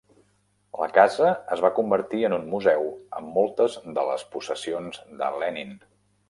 La casa es va convertir en un museu amb moltes de les possessions de Lenin.